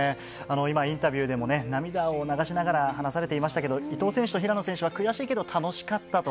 今インタビューでも涙を流しながら話されていましたけど伊藤選手と平野選手は悔しいけど楽しかったと。